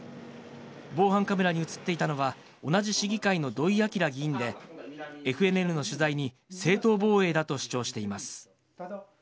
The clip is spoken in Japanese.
防犯カメラに写っていたのは、同じ市議会の土井昭議員で、ＦＮＮの取材に、正当防衛だと主張しています。